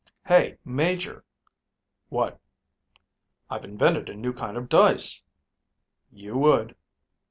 "Hey, Major." "What?" "I've invented a new kind of dice." "You would."